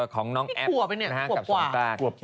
ของนมแอฟ